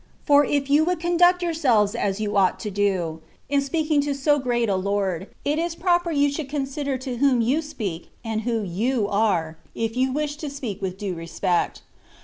For if you would conduct yourselves as ^ou ought to do, in speaking to so great a Lord, it is proper you should consider to whom you speak, and who you are, if you wish to speaK with duo respect.